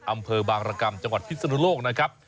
อำเภอบางรกรรมจังหวัดพิศนุโลกนะครับ